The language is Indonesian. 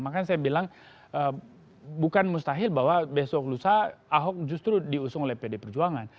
makanya saya bilang bukan mustahil bahwa besok lusa ahok justru diusung oleh pd perjuangan